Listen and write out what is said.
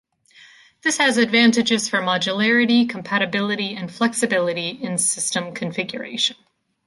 This has advantages for modularity, compatibility, and flexibility in system configuration.